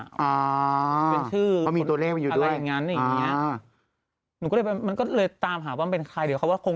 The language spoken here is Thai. เป็นชื่ออะไรอย่างนั้นอย่างนี้มันก็เลยตามหาว่าเป็นใครเดี๋ยวเขาว่า